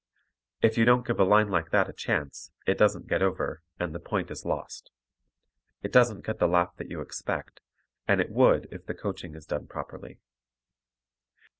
If you don't give a line like that a chance, it doesn't get over and the point is lost. It doesn't get the laugh that you expect, and it would if the coaching is done properly.